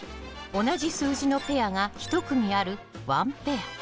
同じ数字のペアが１組あるワンペア。